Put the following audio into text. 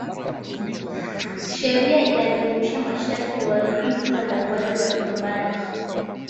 sheria inajumuisha masharti ya uharibifu wa mauaji ya kimbari